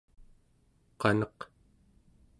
qaneq